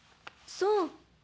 そう。